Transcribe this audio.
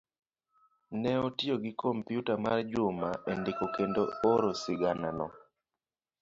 ne otiyo gi kompyuta mar Juma e ndiko kendo oro siganano.